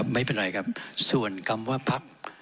ดิฉันเป็นอะไรครับส่วนคำว่าภักร์